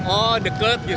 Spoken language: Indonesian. oh deket gitu